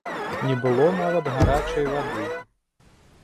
Не было нават гарачай вады!